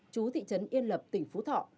chú thị trấn yên lập tỉnh phú thọ